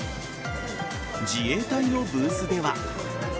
自衛隊のブースでは。